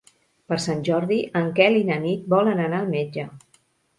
Per Sant Jordi en Quel i na Nit volen anar al metge.